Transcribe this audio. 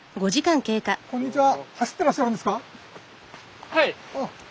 こんにちは。